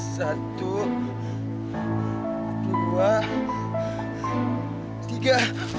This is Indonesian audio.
satu dua tiga